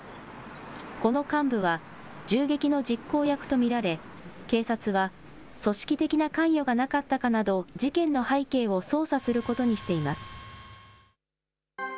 この幹部は、銃撃の実行役と見られ、警察は組織的な関与がなかったかなど事件の背景を捜査することにしています。